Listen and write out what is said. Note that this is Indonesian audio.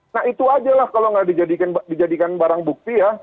nah itu aja lah kalau nggak dijadikan barang bukti ya